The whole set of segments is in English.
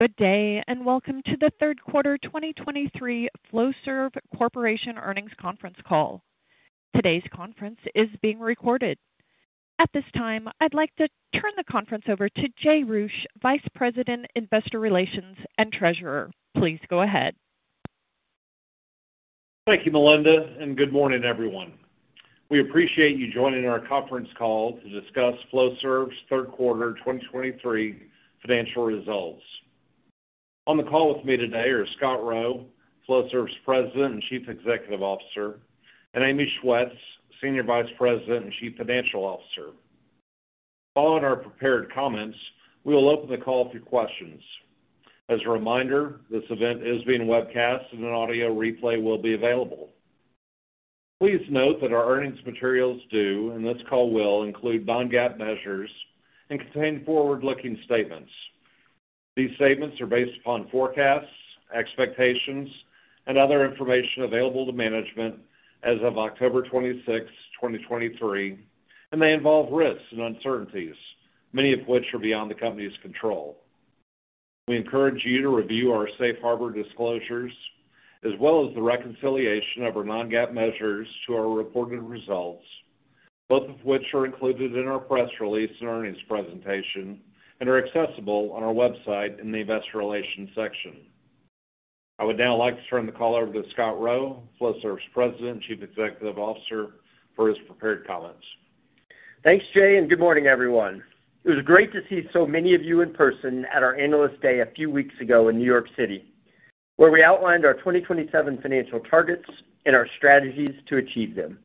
Good day, and welcome to the third quarter 2023 Flowserve Corporation earnings conference call. Today's conference is being recorded. At this time, I'd like to turn the conference over to Jay Roueche, Vice President, Investor Relations and Treasurer. Please go ahead. Thank you, Melinda, and good morning, everyone. We appreciate you joining our conference call to discuss Flowserve's third quarter 2023 financial results. On the call with me today are Scott Rowe, Flowserve's President and Chief Executive Officer, and Amy Schwetz, Senior Vice President and Chief Financial Officer. Following our prepared comments, we will open the call for questions. As a reminder, this event is being webcast and an audio replay will be available. Please note that our earnings materials too, and this call will include non-GAAP measures and contain forward-looking statements. These statements are based upon forecasts, expectations, and other information available to management as of October 26th, 2023, and they involve risks and uncertainties, many of which are beyond the company's control. We encourage you to review our Safe Harbor disclosures, as well as the reconciliation of our non-GAAP measures to our reported results, both of which are included in our press release and earnings presentation and are accessible on our website in the Investor Relations section. I would now like to turn the call over to Scott Rowe, Flowserve's President and Chief Executive Officer, for his prepared comments. Thanks, Jay, and good morning, everyone. It was great to see so many of you in person at our Analyst Day a few weeks ago in New York City, where we outlined our 2027 financial targets and our strategies to achieve them.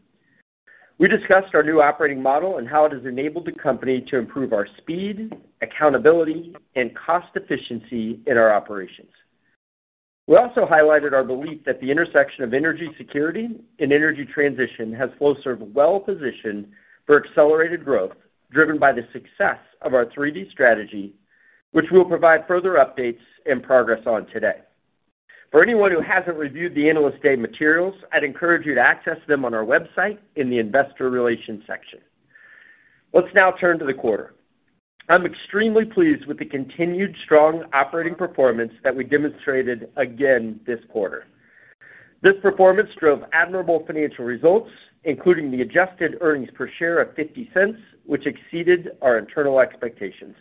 We discussed our new operating model and how it has enabled the company to improve our speed, accountability, and cost efficiency in our operations. We also highlighted our belief that the intersection of energy security and energy transition has Flowserve well-positioned for accelerated growth, driven by the success of our 3D Strategy, which we'll provide further updates and progress on today. For anyone who hasn't reviewed the Analyst Day materials, I'd encourage you to access them on our website in the Investor Relations section. Let's now turn to the quarter. I'm extremely pleased with the continued strong operating performance that we demonstrated again this quarter. This performance drove admirable financial results, including the adjusted earnings per share of $0.50, which exceeded our internal expectations.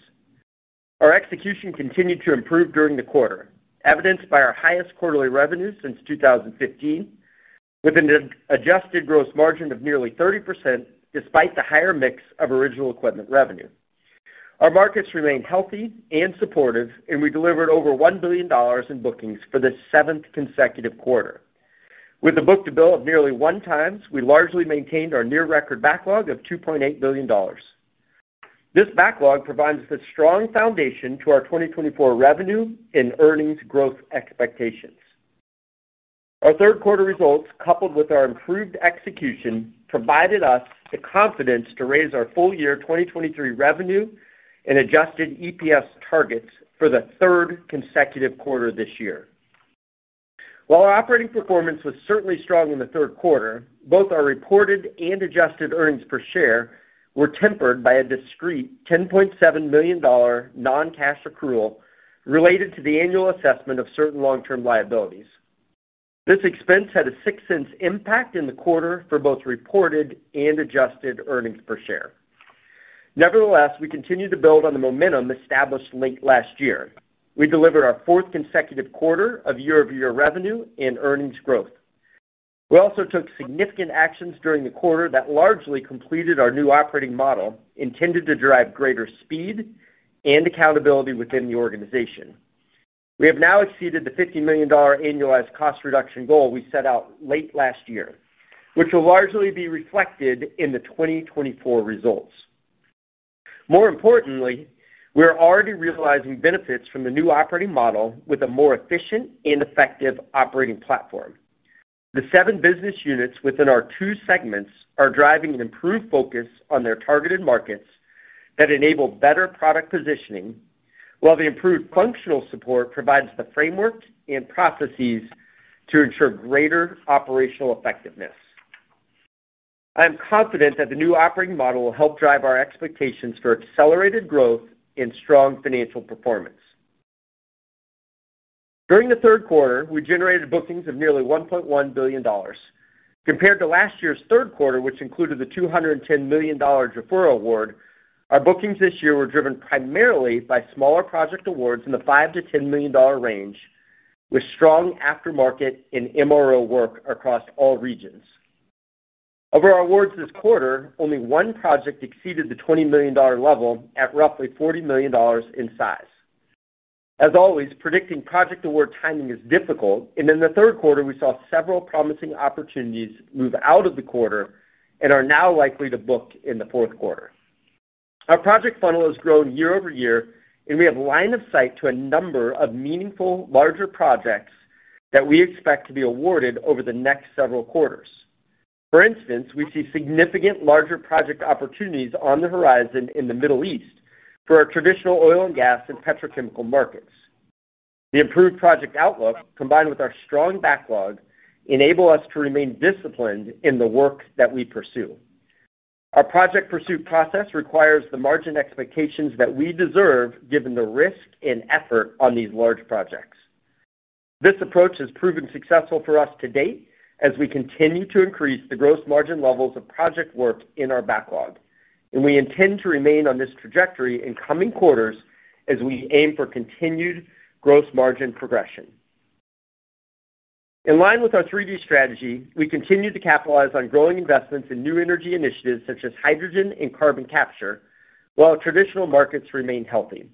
Our execution continued to improve during the quarter, evidenced by our highest quarterly revenue since 2015, with an adjusted gross margin of nearly 30%, despite the higher mix of original equipment revenue. Our markets remain healthy and supportive, and we delivered over $1 billion in bookings for the seventh consecutive quarter. With a book-to-bill of nearly 1x, we largely maintained our near record backlog of $2.8 billion. This backlog provides a strong foundation to our 2024 revenue and earnings growth expectations. Our third quarter results, coupled with our improved execution, provided us the confidence to raise our full year 2023 revenue and adjusted EPS targets for the third consecutive quarter this year. While our operating performance was certainly strong in the third quarter, both our reported and adjusted earnings per share were tempered by a discrete $10.7 million non-cash accrual related to the annual assessment of certain long-term liabilities. This expense had a $0.06 impact in the quarter for both reported and adjusted earnings per share. Nevertheless, we continued to build on the momentum established late last year. We delivered our fourth consecutive quarter of year-over-year revenue and earnings growth. We also took significant actions during the quarter that largely completed our new operating model, intended to drive greater speed and accountability within the organization. We have now exceeded the $50 million annualized cost reduction goal we set out late last year, which will largely be reflected in the 2024 results. More importantly, we are already realizing benefits from the new operating model with a more efficient and effective operating platform. The seven business units within our two segments are driving an improved focus on their targeted markets that enable better product positioning, while the improved functional support provides the framework and processes to ensure greater operational effectiveness. I am confident that the new operating model will help drive our expectations for accelerated growth and strong financial performance. During the third quarter, we generated bookings of nearly $1.1 billion. Compared to last year's third quarter, which included the $210 million Jafurah award, our bookings this year were driven primarily by smaller project awards in the $5 million-$10 million range, with strong aftermarket and MRO work across all regions. Of our awards this quarter, only one project exceeded the $20 million level at roughly $40 million in size. As always, predicting project award timing is difficult, and in the third quarter, we saw several promising opportunities move out of the quarter and are now likely to book in the fourth quarter. Our project funnel has grown year-over-year, and we have line of sight to a number of meaningful, larger projects that we expect to be awarded over the next several quarters. For instance, we see significant larger project opportunities on the horizon in the Middle East for our traditional oil and gas and petrochemical markets. The improved project outlook, combined with our strong backlog, enable us to remain disciplined in the work that we pursue. Our project pursuit process requires the margin expectations that we deserve, given the risk and effort on these large projects. This approach has proven successful for us to date as we continue to increase the gross margin levels of project work in our backlog, and we intend to remain on this trajectory in coming quarters as we aim for continued gross margin progression. In line with our 3D Strategy, we continue to capitalize on growing investments in new energy initiatives such as hydrogen and carbon capture, while traditional markets remain healthy.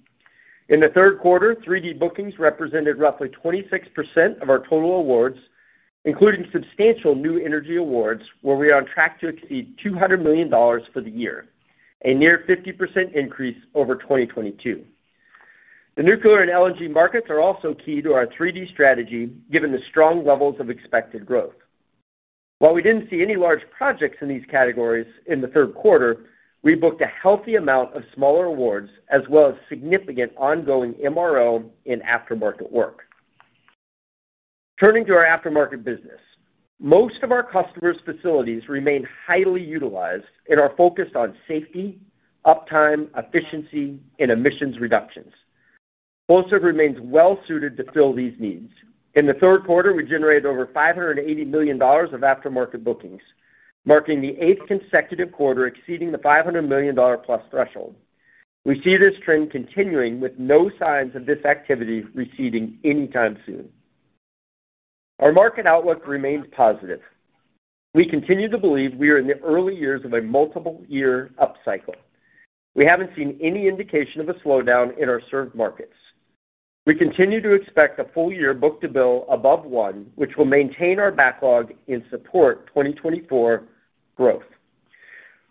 In the third quarter, 3D bookings represented roughly 26% of our total awards, including substantial new energy awards, where we are on track to exceed $200 million for the year, a near 50% increase over 2022. The nuclear and LNG markets are also key to our 3D Strategy, given the strong levels of expected growth. While we didn't see any large projects in these categories in the third quarter, we booked a healthy amount of smaller awards as well as significant ongoing MRO in aftermarket work. Turning to our aftermarket business. Most of our customers' facilities remain highly utilized and are focused on safety, uptime, efficiency, and emissions reductions. Flowserve remains well-suited to fill these needs. In the third quarter, we generated over $580 million of aftermarket bookings, marking the eighth consecutive quarter, exceeding the $500 million+ threshold. We see this trend continuing, with no signs of this activity receding anytime soon. Our market outlook remains positive. We continue to believe we are in the early years of a multiple-year upcycle. We haven't seen any indication of a slowdown in our served markets. We continue to expect a full year book-to-bill above 1.0x, which will maintain our backlog and support 2024 growth.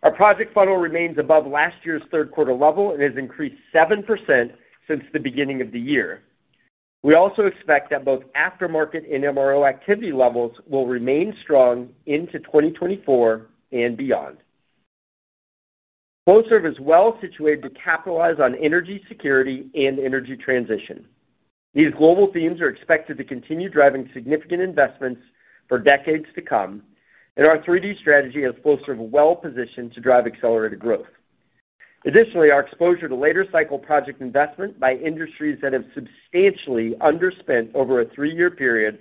Our project funnel remains above last year's third quarter level and has increased 7% since the beginning of the year. We also expect that both aftermarket and MRO activity levels will remain strong into 2024 and beyond. Flowserve is well situated to capitalize on energy security and energy transition. These global themes are expected to continue driving significant investments for decades to come, and our 3D Strategy has Flowserve well-positioned to drive accelerated growth. Additionally, our exposure to later cycle project investment by industries that have substantially underspent over a three-year period,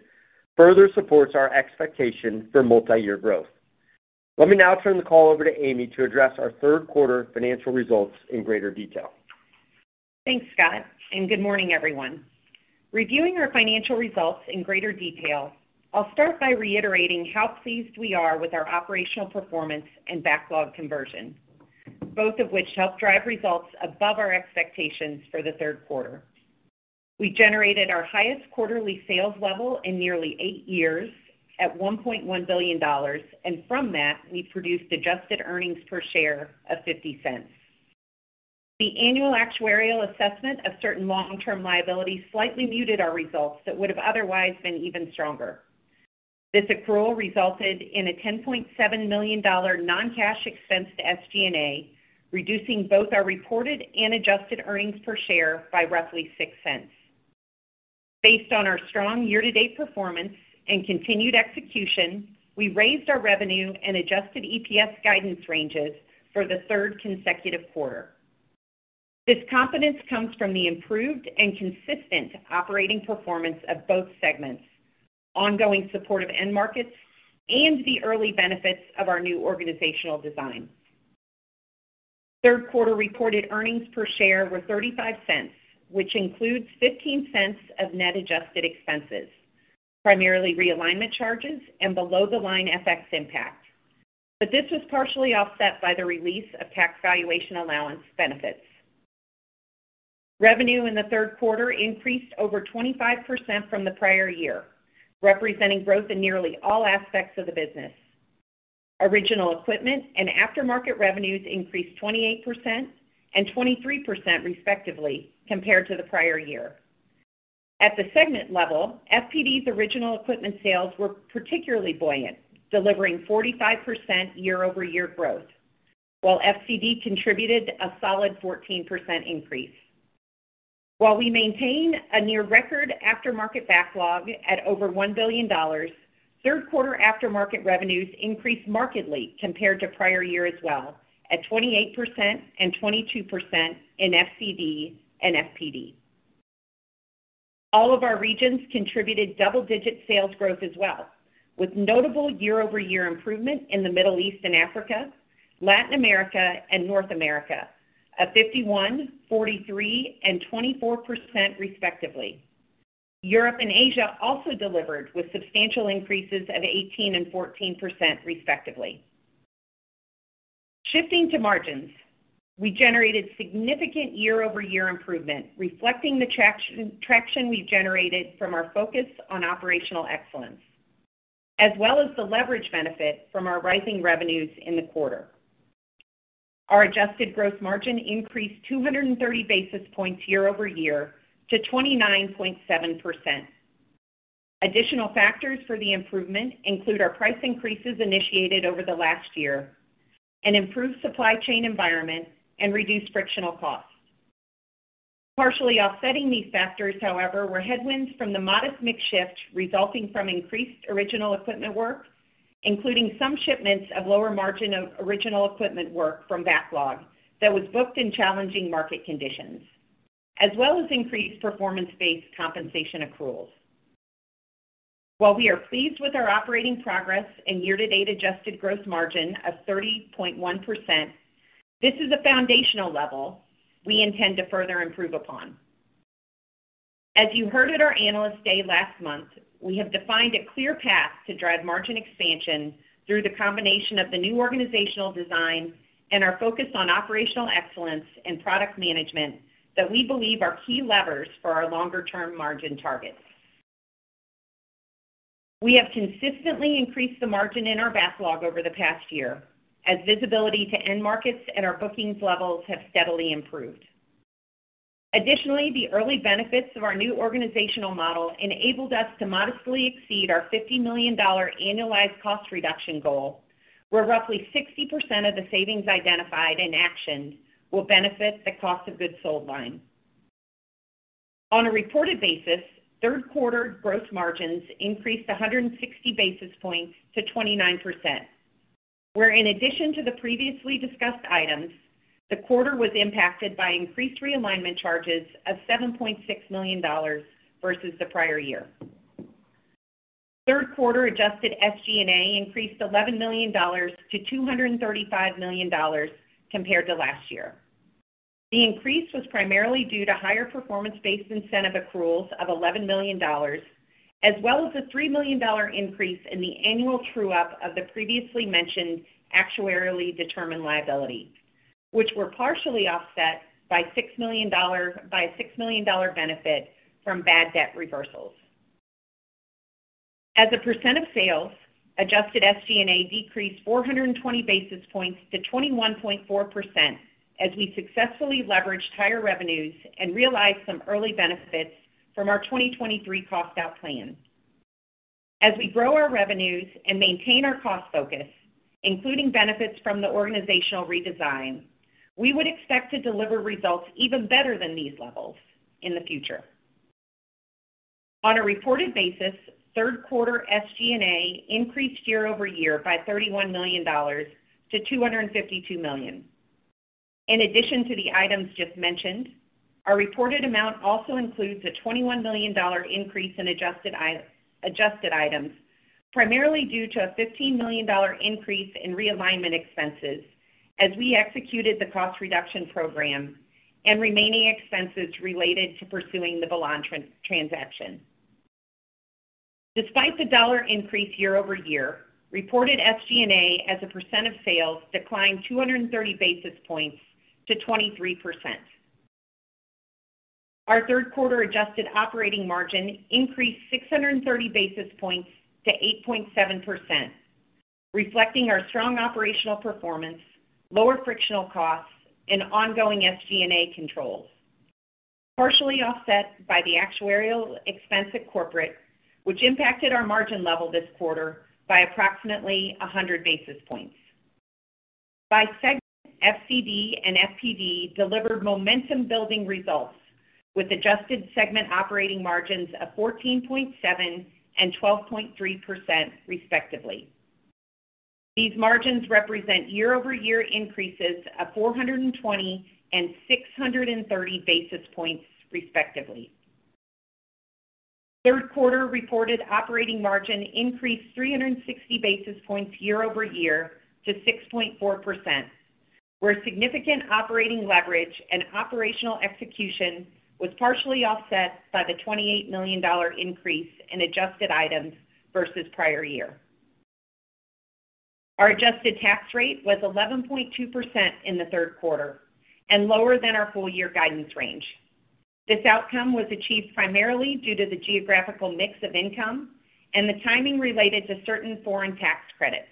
further supports our expectation for multiyear growth. Let me now turn the call over to Amy to address our third quarter financial results in greater detail. Thanks, Scott, and good morning, everyone. Reviewing our financial results in greater detail, I'll start by reiterating how pleased we are with our operational performance and backlog conversion, both of which helped drive results above our expectations for the third quarter. We generated our highest quarterly sales level in nearly eight years, at $1.1 billion, and from that, we produced adjusted earnings per share of $0.50. The annual actuarial assessment of certain long-term liabilities slightly muted our results that would have otherwise been even stronger. This accrual resulted in a $10.7 million non-cash expense to SG&A, reducing both our reported and adjusted earnings per share by roughly $0.06. Based on our strong year-to-date performance and continued execution, we raised our revenue and adjusted EPS guidance ranges for the third consecutive quarter. This confidence comes from the improved and consistent operating performance of both segments, ongoing support of end markets, and the early benefits of our new organizational design. Third quarter reported earnings per share were $0.35, which includes $0.15 of net adjusted expenses, primarily realignment charges and below-the-line FX impact. But this was partially offset by the release of tax valuation allowance benefits. Revenue in the third quarter increased over 25% from the prior year, representing growth in nearly all aspects of the business. Original equipment and aftermarket revenues increased 28% and 23%, respectively, compared to the prior year. At the segment level, FPD's original equipment sales were particularly buoyant, delivering 45% year-over-year growth, while FCD contributed a solid 14% increase. While we maintain a near record aftermarket backlog at over $1 billion, third quarter aftermarket revenues increased markedly compared to prior year as well, at 28% and 22% in FCD and FPD. All of our regions contributed double-digit sales growth as well, with notable year-over-year improvement in the Middle East and Africa, Latin America, and North America, at 51%, 43%, and 24%, respectively. Europe and Asia also delivered, with substantial increases of 18% and 14%, respectively. Shifting to margins, we generated significant year-over-year improvement, reflecting the traction, traction we've generated from our focus on operational excellence, as well as the leverage benefit from our rising revenues in the quarter. Our adjusted gross margin increased 230 basis points year-over-year to 29.7%. Additional factors for the improvement include our price increases initiated over the last year, an improved supply chain environment, and reduced frictional costs. Partially offsetting these factors, however, were headwinds from the modest mix shift resulting from increased original equipment work, including some shipments of lower margin of original equipment work from backlog that was booked in challenging market conditions, as well as increased performance-based compensation accruals. While we are pleased with our operating progress and year-to-date adjusted gross margin of 30.1%, this is a foundational level we intend to further improve upon. As you heard at our Analyst Day last month, we have defined a clear path to drive margin expansion through the combination of the new organizational design and our focus on operational excellence and product management that we believe are key levers for our longer-term margin targets. We have consistently increased the margin in our backlog over the past year, as visibility to end markets and our bookings levels have steadily improved. Additionally, the early benefits of our new organizational model enabled us to modestly exceed our $50 million annualized cost reduction goal, where roughly 60% of the savings identified in action will benefit the cost of goods sold line. On a reported basis, third quarter gross margins increased 160 basis points to 29%, where in addition to the previously discussed items, the quarter was impacted by increased realignment charges of $7.6 million versus the prior year. Third quarter adjusted SG&A increased $11 million to $235 million compared to last year. The increase was primarily due to higher performance-based incentive accruals of $11 million, as well as a $3 million increase in the annual true-up of the previously mentioned actuarially determined liability, which were partially offset by a $6 million benefit from bad debt reversals. As a percent of sales, adjusted SG&A decreased 420 basis points to 21.4%, as we successfully leveraged higher revenues and realized some early benefits from our 2023 cost-out plan. As we grow our revenues and maintain our cost focus, including benefits from the organizational redesign, we would expect to deliver results even better than these levels in the future. On a reported basis, third quarter SG&A increased year-over-year by $31 million to $252 million. In addition to the items just mentioned, our reported amount also includes a $21 million increase in adjusted items, primarily due to a $15 million increase in realignment expenses as we executed the cost reduction program and remaining expenses related to pursuing the Velan transaction. Despite the dollar increase year-over-year, reported SG&A as a percent of sales declined 230 basis points to 23%. Our third quarter adjusted operating margin increased 630 basis points to 8.7%, reflecting our strong operational performance, lower frictional costs, and ongoing SG&A controls, partially offset by the actuarial expense at corporate, which impacted our margin level this quarter by approximately 100 basis points. By segment, FCD and FPD delivered momentum building results with adjusted segment operating margins of 14.7% and 12.3%, respectively. These margins represent year-over-year increases of 420 and 630 basis points, respectively. Third quarter reported operating margin increased 360 basis points year-over-year to 6.4%, where significant operating leverage and operational execution was partially offset by the $28 million increase in adjusted items versus prior year. Our adjusted tax rate was 11.2% in the third quarter and lower than our full year guidance range. This outcome was achieved primarily due to the geographical mix of income and the timing related to certain foreign tax credits.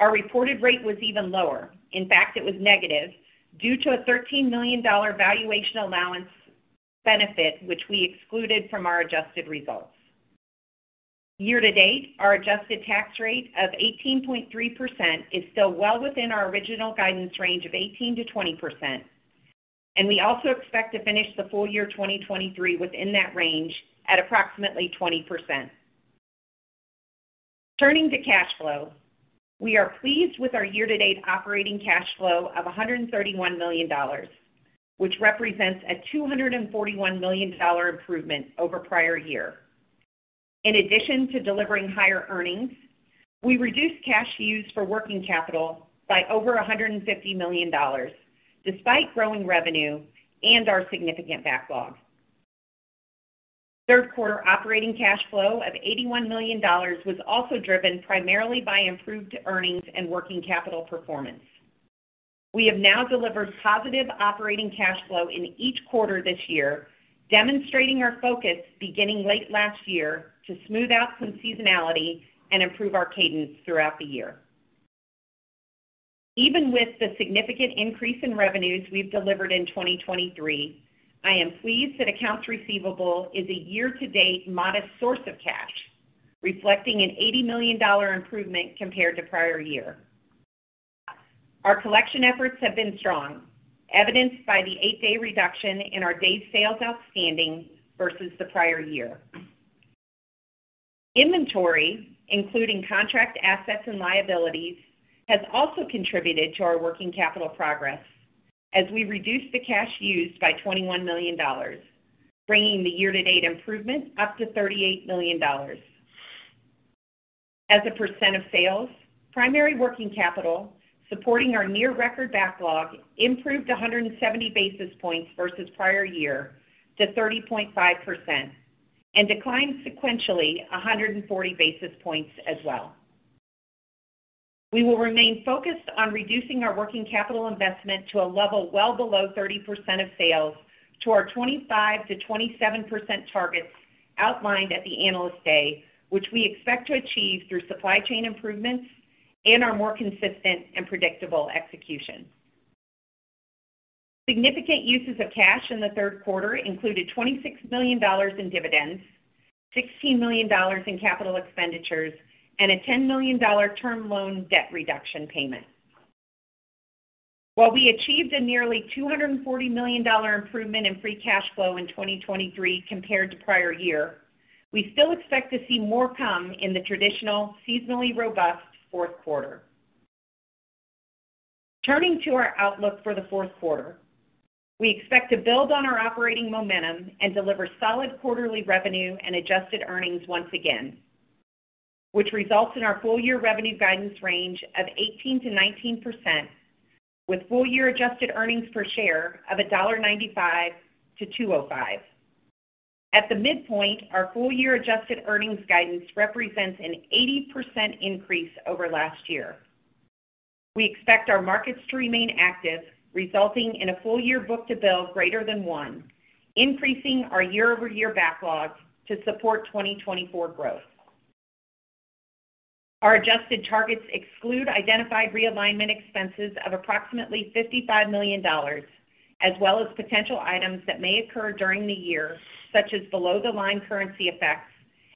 Our reported rate was even lower. In fact, it was negative due to a $13 million valuation allowance benefit, which we excluded from our adjusted results. Year to date, our adjusted tax rate of 18.3% is still well within our original guidance range of 18%-20%, and we also expect to finish the full year 2023 within that range at approximately 20%. Turning to cash flow, we are pleased with our year-to-date operating cash flow of $131 million, which represents a $241 million improvement over prior year. In addition to delivering higher earnings, we reduced cash used for working capital by over $150 million, despite growing revenue and our significant backlog. Third quarter operating cash flow of $81 million was also driven primarily by improved earnings and working capital performance. We have now delivered positive operating cash flow in each quarter this year, demonstrating our focus beginning late last year, to smooth out some seasonality and improve our cadence throughout the year. Even with the significant increase in revenues we've delivered in 2023, I am pleased that accounts receivable is a year-to-date modest source of cash, reflecting an $80 million improvement compared to prior year. Our collection efforts have been strong, evidenced by the eight-day reduction in our days sales outstanding versus the prior year. Inventory, including contract assets and liabilities, has also contributed to our working capital progress as we reduced the cash used by $21 million, bringing the year-to-date improvement up to $38 million. As a percent of sales, primary working capital, supporting our near record backlog, improved 170 basis points versus prior year to 30.5%, and declined sequentially 140 basis points as well. We will remain focused on reducing our working capital investment to a level well below 30% of sales to our 25%-27% targets outlined at the Analyst Day, which we expect to achieve through supply chain improvements and our more consistent and predictable execution. Significant uses of cash in the third quarter included $26 million in dividends, $16 million in capital expenditures, and a $10 million term loan debt reduction payment. While we achieved a nearly $240 million improvement in free cash flow in 2023 compared to prior year, we still expect to see more come in the traditional seasonally robust fourth quarter. Turning to our outlook for the fourth quarter, we expect to build on our operating momentum and deliver solid quarterly revenue and adjusted earnings once again, which results in our full year revenue guidance range of 18%-19%, with full year adjusted earnings per share of $1.95-$2.05. At the midpoint, our full year adjusted earnings guidance represents an 80% increase over last year. We expect our markets to remain active, resulting in a full year book-to-bill greater than 1.0x, increasing our year-over-year backlog to support 2024 growth. Our adjusted targets exclude identified realignment expenses of approximately $55 million, as well as potential items that may occur during the year, such as below-the-line currency effects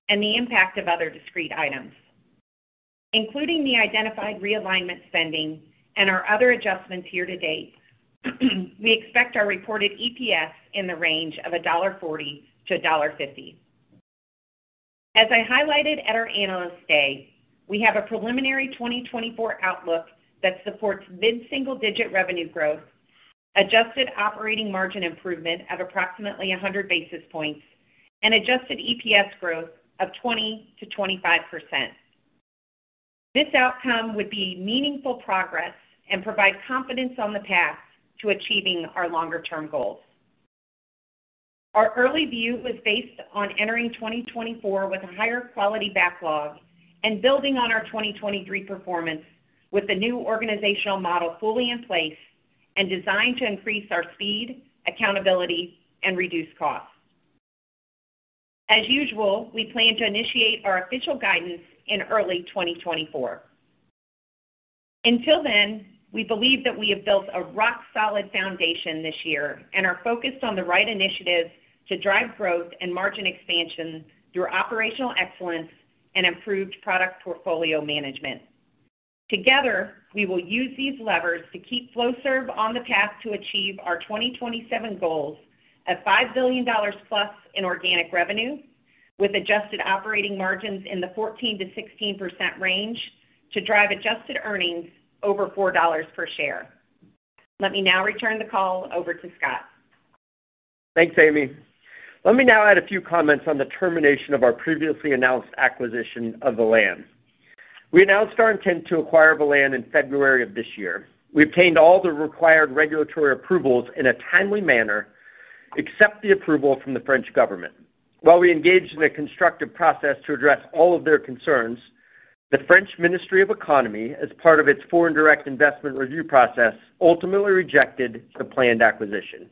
and the impact of other discrete items. Including the identified realignment spending and our other adjustments year to date, we expect our reported EPS in the range of $1.40-$1.50. As I highlighted at our Analyst Day, we have a preliminary 2024 outlook that supports mid-single-digit revenue growth, adjusted operating margin improvement of approximately 100 basis points, and adjusted EPS growth of 20%-25%. This outcome would be meaningful progress and provide confidence on the path to achieving our longer-term goals. Our early view was based on entering 2024 with a higher quality backlog and building on our 2023 performance with the new organizational model fully in place and designed to increase our speed, accountability, and reduce costs. As usual, we plan to initiate our official guidance in early 2024. Until then, we believe that we have built a rock-solid foundation this year and are focused on the right initiatives to drive growth and margin expansion through operational excellence and improved product portfolio management. Together, we will use these levers to keep Flowserve on the path to achieve our 2027 goals of $5 billion+ in organic revenue, with adjusted operating margins in the 14%-16% range to drive adjusted earnings over $4 per share. Let me now return the call over to Scott. Thanks, Amy. Let me now add a few comments on the termination of our previously announced acquisition of Velan. We announced our intent to acquire Velan in February of this year. We obtained all the required regulatory approvals in a timely manner, except the approval from the French government. While we engaged in a constructive process to address all of their concerns, the French Ministry of Economy, as part of its foreign direct investment review process, ultimately rejected the planned acquisition.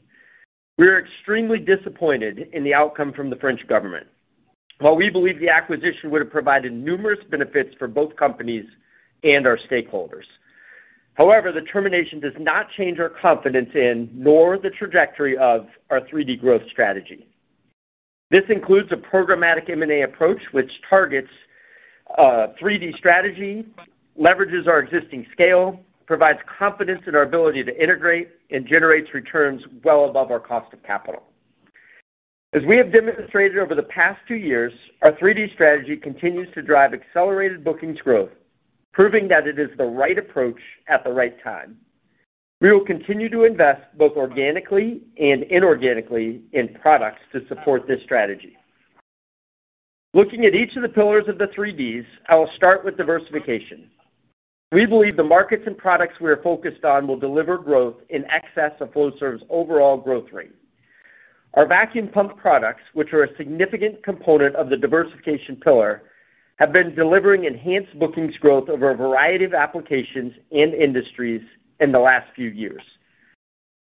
We are extremely disappointed in the outcome from the French government, while we believe the acquisition would have provided numerous benefits for both companies and our stakeholders. However, the termination does not change our confidence in, nor the trajectory of, our 3D Growth Strategy. This includes a programmatic M&A approach, which targets 3D Strategy, leverages our existing scale, provides confidence in our ability to integrate, and generates returns well above our cost of capital. As we have demonstrated over the past two years, our 3D Strategy continues to drive accelerated bookings growth, proving that it is the right approach at the right time. We will continue to invest, both organically and inorganically in products to support this strategy. Looking at each of the pillars of the 3Ds, I will start with diversification. We believe the markets and products we are focused on will deliver growth in excess of Flowserve's overall growth rate. Our vacuum pump products, which are a significant component of the diversification pillar, have been delivering enhanced bookings growth over a variety of applications and industries in the last few years.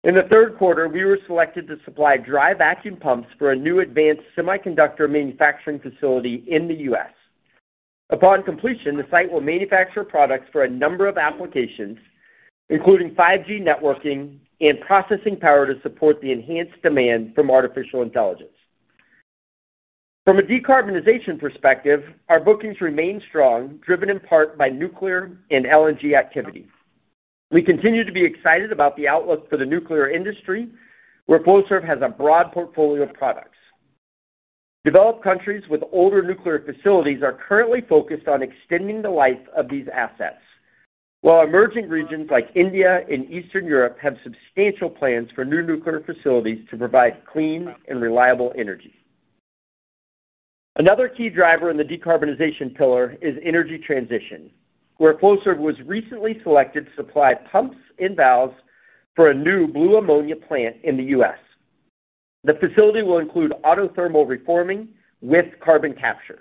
In the third quarter, we were selected to supply dry vacuum pumps for a new advanced semiconductor manufacturing facility in the U.S. Upon completion, the site will manufacture products for a number of applications, including 5G networking and processing power to support the enhanced demand from artificial intelligence. From a decarbonization perspective, our bookings remain strong, driven in part by nuclear and LNG activity. We continue to be excited about the outlook for the nuclear industry, where Flowserve has a broad portfolio of products. Developed countries with older nuclear facilities are currently focused on extending the life of these assets, while emerging regions like India and Eastern Europe have substantial plans for new nuclear facilities to provide clean and reliable energy. Another key driver in the decarbonization pillar is energy transition, where Flowserve was recently selected to supply pumps and valves for a new blue ammonia plant in the U.S. The facility will include autothermal reforming with carbon capture.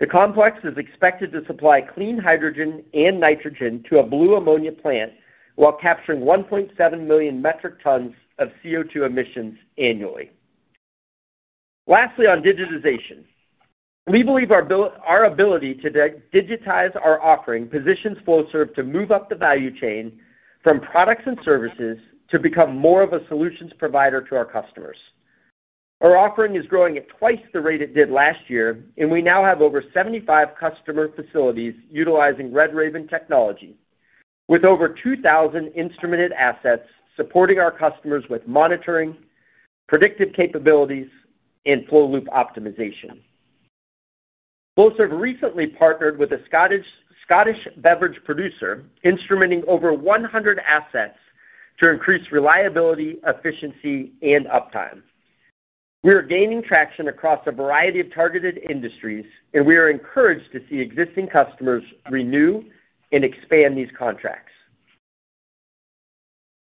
The complex is expected to supply clean hydrogen and nitrogen to a blue ammonia plant, while capturing 1.7 million metric tons of CO2 emissions annually. Lastly, on digitization, we believe our ability to digitize our offering positions Flowserve to move up the value chain from products and services to become more of a solutions provider to our customers. Our offering is growing at twice the rate it did last year, and we now have over 75 customer facilities utilizing RedRaven technology, with over 2,000 instrumented assets supporting our customers with monitoring, predictive capabilities, and flow loop optimization. Flowserve recently partnered with a Scottish beverage producer, instrumenting over 100 assets to increase reliability, efficiency, and uptime. We are gaining traction across a variety of targeted industries, and we are encouraged to see existing customers renew and expand these contracts.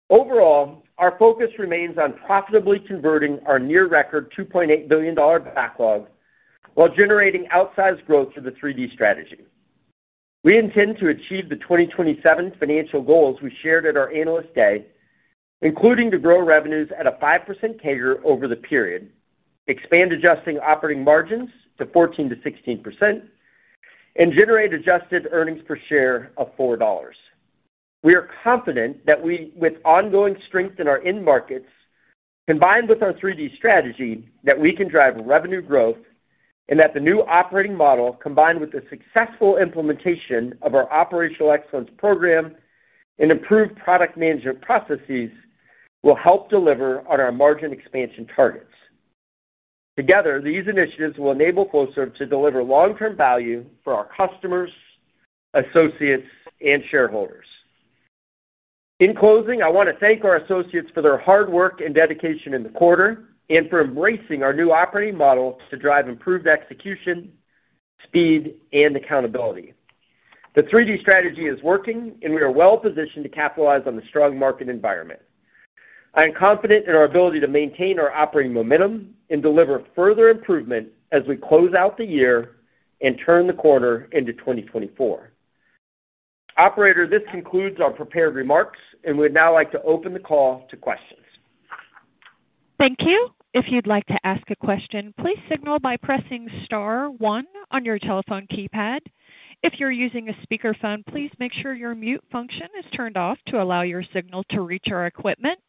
Overall, our focus remains on profitably converting our near record $2.8 billion backlog while generating outsized growth through the 3D Strategy. We intend to achieve the 2027 financial goals we shared at our Analyst Day, including to grow revenues at a 5% CAGR over the period, expand adjusted operating margins to 14%-16%, and generate adjusted earnings per share of $4. We are confident that we, with ongoing strength in our end markets, combined with our 3D Strategy, that we can drive revenue growth, and that the new operating model, combined with the successful implementation of our operational excellence program and improved product management processes, will help deliver on our margin expansion targets. Together, these initiatives will enable Flowserve to deliver long-term value for our customers, associates, and shareholders. In closing, I want to thank our associates for their hard work and dedication in the quarter and for embracing our new operating model to drive improved execution, speed, and accountability. The 3D Strategy is working, and we are well positioned to capitalize on the strong market environment. I am confident in our ability to maintain our operating momentum and deliver further improvement as we close out the year and turn the corner into 2024. Operator, this concludes our prepared remarks, and we'd now like to open the call to questions. Thank you. If you'd like to ask a question, please signal by pressing star one on your telephone keypad. If you're using a speakerphone, please make sure your mute function is turned off to allow your signal to reach our equipment.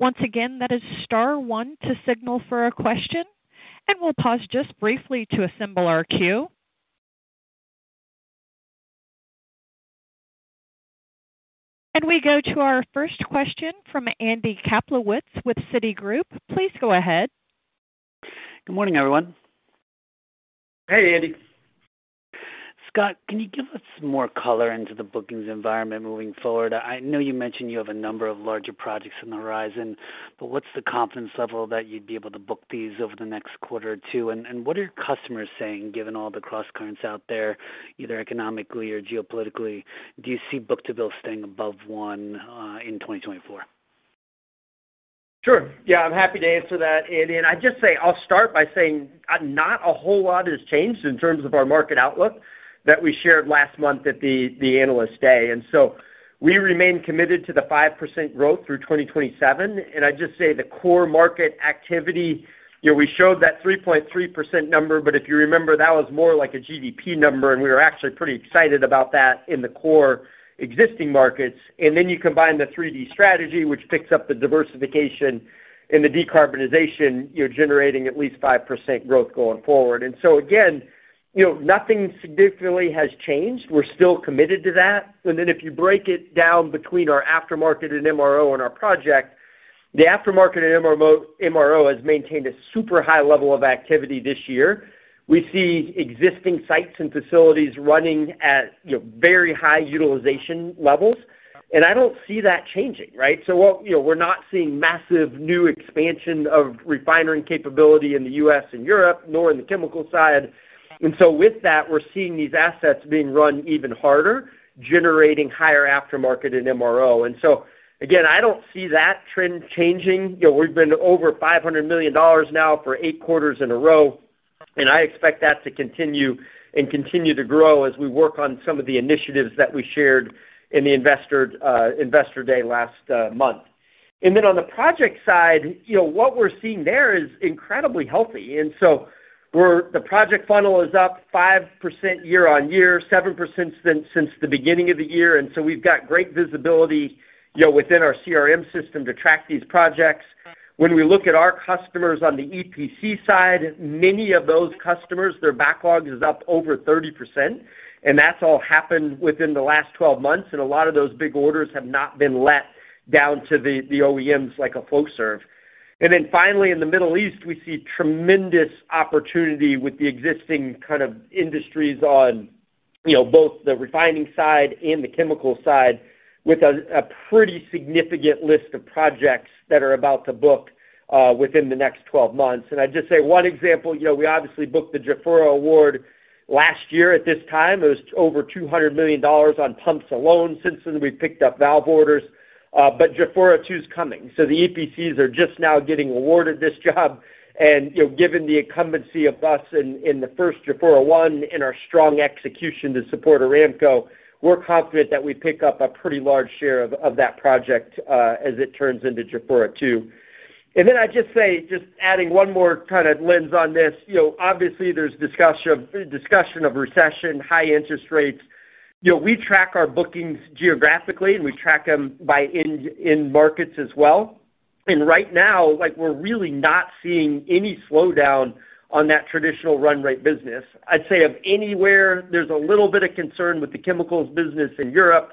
Once again, that is star one to signal for a question, and we'll pause just briefly to assemble our queue. We go to our first question from Andy Kaplowitz with Citigroup. Please go ahead. Good morning, everyone. Hey, Andy. Scott, can you give us some more color into the bookings environment moving forward? I know you mentioned you have a number of larger projects on the horizon, but what's the confidence level that you'd be able to book these over the next quarter or two? And, and what are your customers saying, given all the crosscurrents out there, either economically or geopolitically? Do you see book-to-bill staying above 1.0x in 2024? Sure. Yeah, I'm happy to answer that, Andy. And I'd just say, I'll start by saying, not a whole lot has changed in terms of our market outlook that we shared last month at the Analyst Day. And so we remain committed to the 5% growth through 2027. And I'd just say the core market activity, you know, we showed that 3.3% number, but if you remember, that was more like a GDP number, and we were actually pretty excited about that in the core existing markets. And then you combine the 3D Strategy, which picks up the diversification and the decarbonization, you're generating at least 5% growth going forward. And so again, you know, nothing significantly has changed. We're still committed to that. Then if you break it down between our aftermarket and MRO and our project, the aftermarket and MRO, MRO has maintained a super high level of activity this year. We see existing sites and facilities running at, you know, very high utilization levels, and I don't see that changing, right? So what? You know, we're not seeing massive new expansion of refinery capability in the U.S. and Europe, nor in the chemical side. And so with that, we're seeing these assets being run even harder, generating higher aftermarket and MRO. And so again, I don't see that trend changing. You know, we've been over $500 million now for eight quarters in a row, and I expect that to continue and continue to grow as we work on some of the initiatives that we shared in the Investor Day last month. And then on the project side, you know, what we're seeing there is incredibly healthy. And so we're the project funnel is up 5% year-on-year, 7% since the beginning of the year. And so we've got great visibility, you know, within our CRM system to track these projects. When we look at our customers on the EPC side, many of those customers, their backlog is up over 30%, and that's all happened within the last 12 months, and a lot of those big orders have not been let down to the OEMs, like a Flowserve. And then finally, in the Middle East, we see tremendous opportunity with the existing kind of industries on, you know, both the refining side and the chemical side, with a pretty significant list of projects that are about to book within the next 12 months. I'd just say one example, you know, we obviously booked the Jafurah award last year at this time. It was over $200 million on pumps alone. Since then, we've picked up valve orders, but Jafurah 2 is coming, so the EPCs are just now getting awarded this job. And, you know, given the incumbency of us in the first Jafurah 1 and our strong execution to support Aramco, we're confident that we pick up a pretty large share of that project, as it turns into Jafurah 2. And then I'd just say, just adding one more kind of lens on this, you know, obviously, there's discussion of recession, high interest rates. You know, we track our bookings geographically, and we track them by end markets as well. Right now, like, we're really not seeing any slowdown on that traditional run rate business. I'd say of anywhere, there's a little bit of concern with the chemicals business in Europe,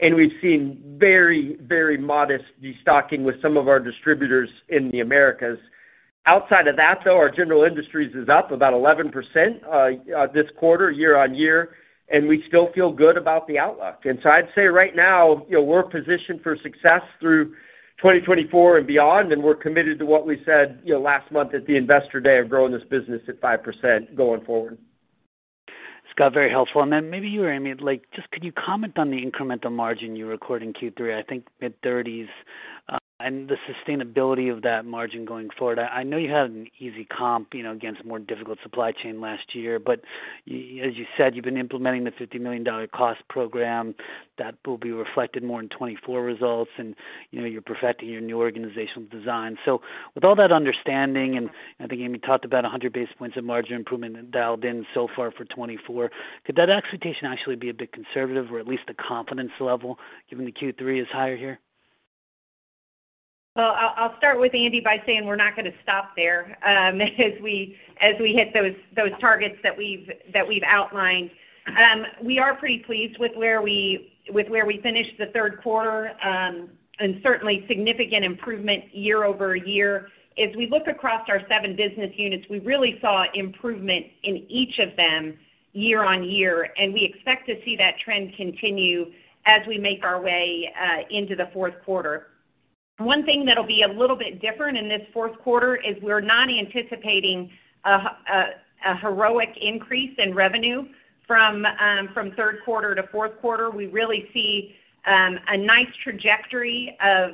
and we've seen very, very modest destocking with some of our distributors in the Americas. Outside of that, though, our general industries is up about 11%, this quarter, year-over-year, and we still feel good about the outlook. And so I'd say right now, you know, we're positioned for success through 2024 and beyond, and we're committed to what we said, you know, last month at the Investor Day of growing this business at 5% going forward. Scott, very helpful. Maybe you, Amy, just could you comment on the incremental margin you recorded in Q3, I think mid-30s, and the sustainability of that margin going forward? I know you had an easy comp, you know, against more difficult supply chain last year, but as you said, you've been implementing the $50 million cost program that will be reflected more in 2024 results. And, you know, you're perfecting your new organizational design. With all that understanding, and I think, Amy, you talked about 100 basis points of margin improvement dialed in so far for 2024, could that expectation actually be a bit conservative or at least the confidence level, given the Q3 is higher here? Well, I'll start with Andy by saying we're not gonna stop there, as we hit those targets that we've outlined. We are pretty pleased with where we finished the third quarter, and certainly significant improvement year-over-year. As we look across our seven business units, we really saw improvement in each of them year-on-year, and we expect to see that trend continue as we make our way into the fourth quarter. One thing that'll be a little bit different in this fourth quarter is we're not anticipating a heroic increase in revenue from third quarter to fourth quarter. We really see a nice trajectory of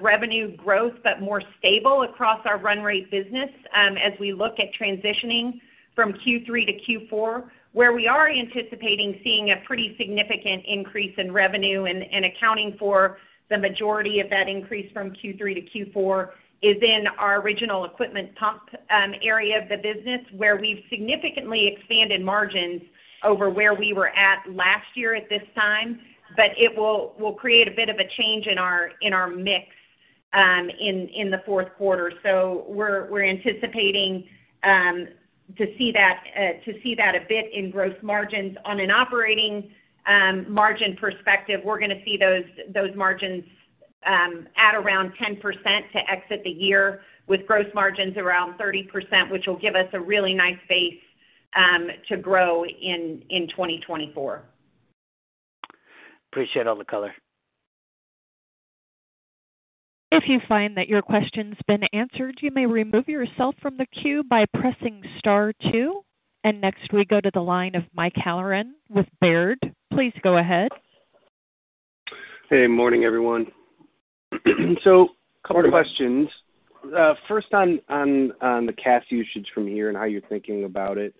revenue growth, but more stable across our run rate business, as we look at transitioning from Q3 to Q4. Where we are anticipating seeing a pretty significant increase in revenue and accounting for the majority of that increase from Q3 to Q4 is in our original equipment pump area of the business, where we've significantly expanded margins over where we were at last year at this time. But it will create a bit of a change in our, in our mix in the fourth quarter. So we're anticipating to see that a bit in gross margins. On an operating margin perspective, we're gonna see those margins at around 10% to exit the year, with gross margins around 30%, which will give us a really nice base to grow in 2024. Appreciate all the color. If you find that your question's been answered, you may remove yourself from the queue by pressing star two. Next, we go to the line of Mike Halloran with Baird. Please go ahead. Hey, morning, everyone. Couple of questions. First, on the cash usage from here and how you're thinking about it.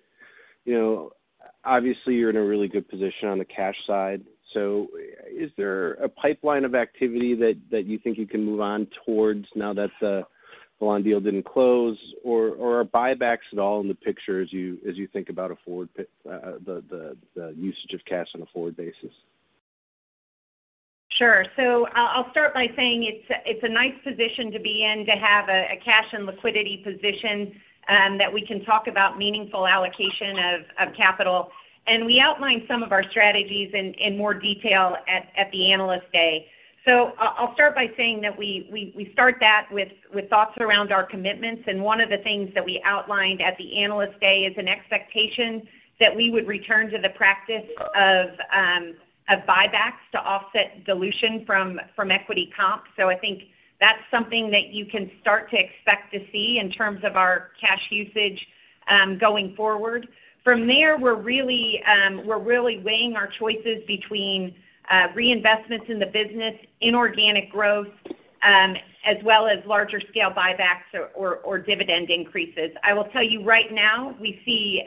You know, obviously, you're in a really good position on the cash side, so is there a pipeline of activity that you think you can move on towards now that the Velan deal didn't close, or are buybacks at all in the picture as you think about the usage of cash on a forward basis? Sure. So I'll start by saying it's a nice position to be in, to have a cash and liquidity position that we can talk about meaningful allocation of capital. And we outlined some of our strategies in more detail at the Analyst Day. So I'll start by saying that we start that with thoughts around our commitments, and one of the things that we outlined at the Analyst Day is an expectation that we would return to the practice of buybacks to offset dilution from equity comp. So I think that's something that you can start to expect to see in terms of our cash usage going forward. From there, we're really, we're really weighing our choices between, reinvestments in the business, inorganic growth, as well as larger scale buybacks or, or dividend increases. I will tell you right now, we see,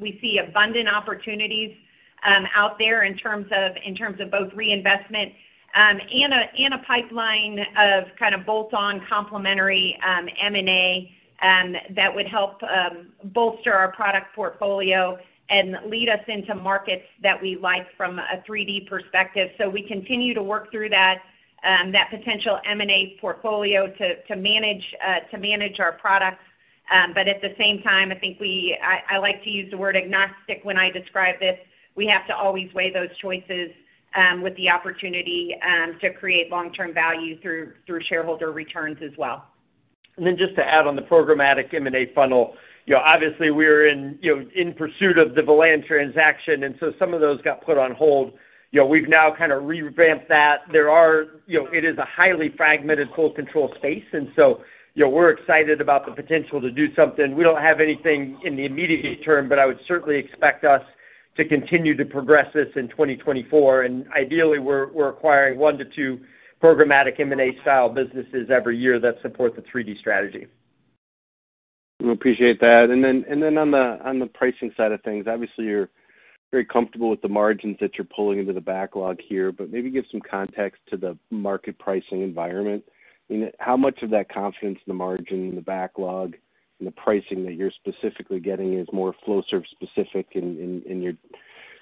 we see abundant opportunities, out there in terms of, in terms of both reinvestment, and a pipeline of kind of bolt-on complementary, M&A, that would help, bolster our product portfolio and lead us into markets that we like from a 3D perspective. So we continue to work through that, that potential M&A portfolio to, to manage, to manage our products. But at the same time, I think we, I like to use the word agnostic when I describe this. We have to always weigh those choices, with the opportunity, to create long-term value through, through shareholder returns as well. And then just to add on the programmatic M&A funnel, you know, obviously, we're in, you know, in pursuit of the Velan transaction, and so some of those got put on hold. You know, we've now kinda revamped that. There are, you know, it is a highly fragmented flow control space, and so, you know, we're excited about the potential to do something. We don't have anything in the immediate term, but I would certainly expect us to continue to progress this in 2024. And ideally, we're, we're acquiring one to two programmatic M&A style businesses every year that support the 3D Strategy. We appreciate that. Then on the pricing side of things, obviously, you're very comfortable with the margins that you're pulling into the backlog here, but maybe give some context to the market pricing environment. And how much of that confidence in the margin, in the backlog, and the pricing that you're specifically getting is more Flowserve specific in your,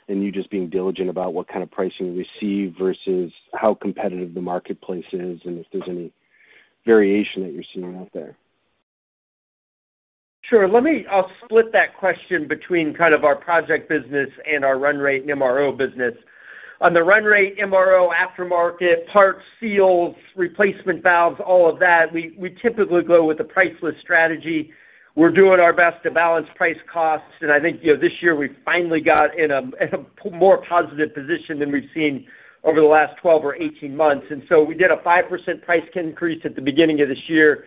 and you just being diligent about what kind of pricing you receive versus how competitive the marketplace is, and if there's any variation that you're seeing out there? Sure. Let me split that question between kind of our project business and our run rate and MRO business. On the run rate, MRO, aftermarket, parts, seals, replacement valves, all of that, we typically go with the price list strategy. We're doing our best to balance price costs, and I think, you know, this year we finally got in a more positive position than we've seen over the last 12 or 18 months. We did a 5% price increase at the beginning of this year.